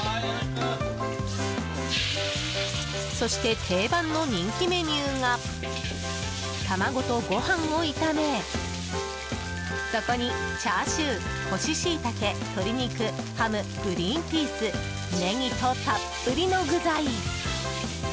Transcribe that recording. そして、定番の人気メニューが卵とご飯を炒めそこにチャーシュー干しシイタケ、鶏肉ハム、グリーンピース、ネギとたっぷりの具材！